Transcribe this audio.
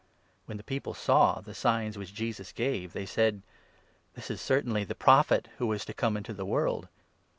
When the people saw the signs which Jesus gave, they said : 14 " This is certainly ' the Prophet who was to come ' into the world."